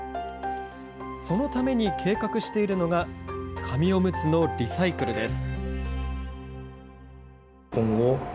そのために計画しているのが、紙おむつのリサイクルです。